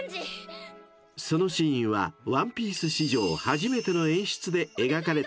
［そのシーンは『ワンピース』史上初めての演出で描かれたそうです］